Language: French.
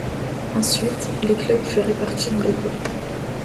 Ensuite, Les clubs furent répartis en deux groupes.